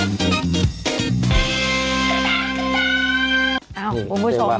น่ารักนิสัยดีมาก